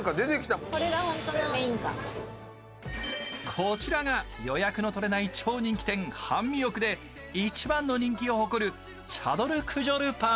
こちらが予約の取れない超人気店、ハンミオクで一番の人気を誇るチャドルクジョルパン。